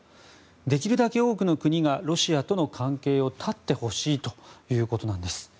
できるだけ多くの国がロシアとの関係を断ってほしいということなんです。